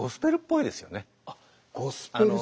あっゴスペル。